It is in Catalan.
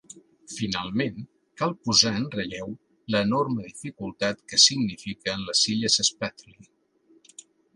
Finalment, cal posar en relleu l'enorme dificultat que signifiquen les Illes Spratly.